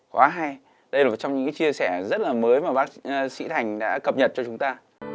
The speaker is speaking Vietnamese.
khóa hai đây là một trong những chia sẻ rất là mới mà bác sĩ thành đã cập nhật cho chúng ta